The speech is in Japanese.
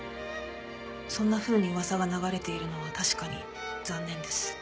そんなふうに噂が流れているのは確かに残念です。